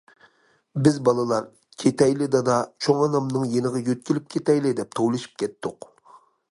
بىز بالىلار« كېتەيلى دادا، چوڭ ئانامنىڭ يېنىغا يۆتكىلىپ كېتەيلى» دەپ توۋلىشىپ كەتتۇق.